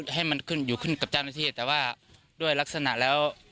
ให้มันขึ้นอยู่ขึ้นกับเจ้าหน้าที่แต่ว่าด้วยลักษณะแล้ว